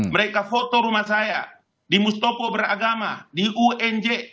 mereka foto rumah saya di mustopo beragama di unj